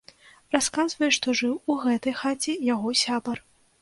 Расказвае, што жыў у гэтай хаце яго сябар.